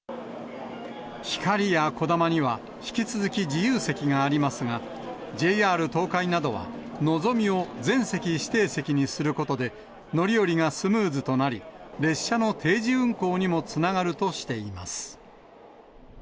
ひかりやこだまには、引き続き自由席がありますが、ＪＲ東海などは、のぞみを全席指定席にすることで、乗り降りがスムーズとなり、列車の定時運行にもつながるとしています。